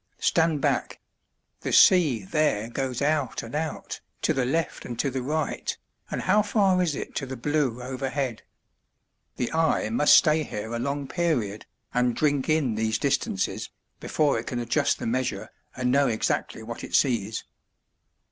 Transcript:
Stand back; the sea there goes out and out, to the left and to the right, and how far is it to the blue overhead? The eye must stay here a long period, and drink in these distances, before it can adjust the measure, and know exactly what it sees.